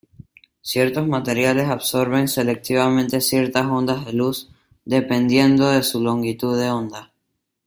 Ciertos materiales absorben selectivamente ciertas ondas de luz, dependiendo de su longitud de onda.